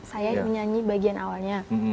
saya yang nyanyi bagian awalnya